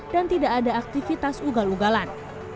dan tidak ada aktivitas ugal ugalan